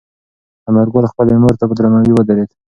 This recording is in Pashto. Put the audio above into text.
انارګل خپلې مور ته په درناوي ودرېد.